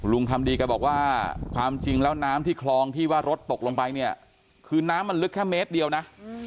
คำดีแกบอกว่าความจริงแล้วน้ำที่คลองที่ว่ารถตกลงไปเนี่ยคือน้ำมันลึกแค่เมตรเดียวนะ